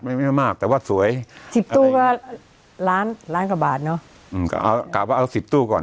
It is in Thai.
ไม่ไม่มากแต่ว่าสวยสิบตู้ก็ล้านล้านกว่าบาทเนอะอืมก็เอากลับว่าเอาสิบตู้ก่อน